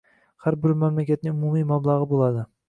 Har bir mamlakatning umumiy mablag‘i bo‘ladi.